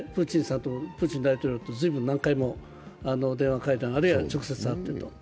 プーチン大統領と随分、何回も電話会談、あるいは直接会っていると。